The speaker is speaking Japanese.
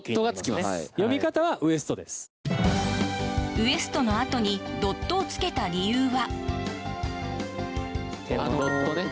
ＷＥＳＴ．のあとにドットをつけた理由は。